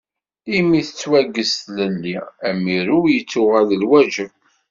Imi tettwaggez tlelli, amirew yettuɣal d lwaǧeb.